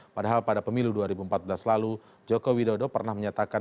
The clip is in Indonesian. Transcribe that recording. padahal pada pemilu dua ribu empat belas lalu joko widodo pernah menyatakan